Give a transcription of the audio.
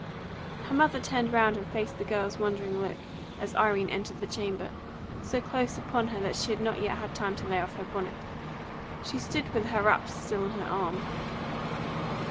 Her mother turned round and faced the girl's wondering look as Irene entered the chamber, so close upon her that she had not yet had time to lay off her bonnet; she stood with her wraps still on her arm.